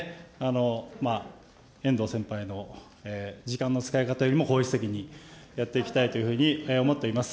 遠藤先輩の時間の使い方よりも効率的にやっていきたいというふうに思っています。